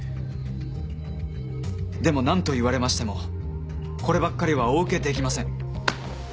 でも何といわれましてもこればっかりはお受けできません。